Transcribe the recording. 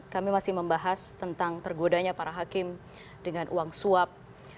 kami masih membahas tentang tergodanya para hakim dengan uang suap